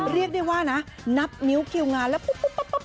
เรียกได้ว่านะนับนิ้วคิวงานแล้วปุ๊บ